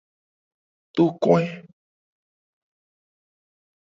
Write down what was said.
Tokoe.